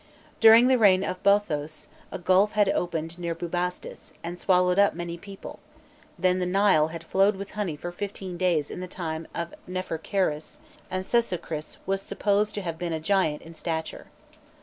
During the reign of Boêthos, a gulf had opened near Bubastis, and swallowed up many people, then the Nile had flowed with honey for fifteen days in the time of Nephercheres, and Sesochris was supposed to have been a giant in stature.